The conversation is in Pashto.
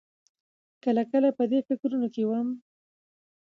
کله کله په دې فکرونو کې وم.